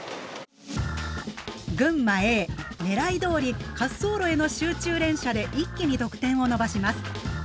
群馬Ａ狙いどおり滑走路への集中連射で一気に得点を伸ばします。